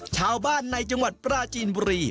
ชาวบ้านในจังหวัดปราจีนบุรี